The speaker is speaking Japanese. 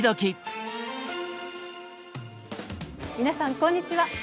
皆さんこんにちは！